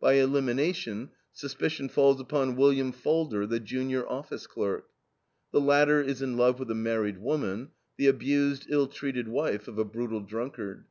By elimination, suspicion falls upon William Falder, the junior office clerk. The latter is in love with a married woman, the abused, ill treated wife of a brutal drunkard.